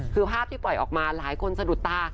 คือภาพที่ปล่อยออกมาหลายคนสะดุดตา